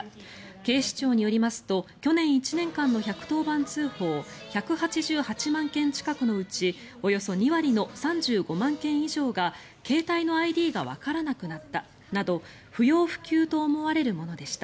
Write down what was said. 警視庁によりますと去年１年間の１１０番通報１８８万件近くのうちおよそ２割の３５万件以上が携帯のＩＤがわからなくなったなど不要不急と思われるものでした。